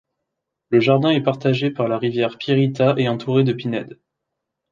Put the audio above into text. Le jardin est partagé par la rivière Pirita et entouré de pinèdes.